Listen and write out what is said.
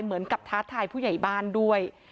เหมือนกับท้าทายผู้ใหญ่บ้านด้วย